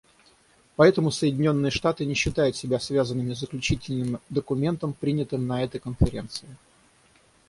Поэтому Соединенные Штаты не считают себя связанными Заключительным документом, принятым на этой Конференции.